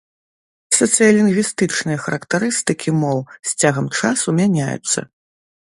Сацыялінгвістычныя характарыстыкі моў з цягам часу мяняюцца.